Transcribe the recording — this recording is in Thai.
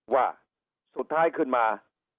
ว่าสุดท้ายขึ้นมา